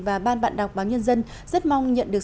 và ban bạn đọc báo nhân dân rất mong nhận được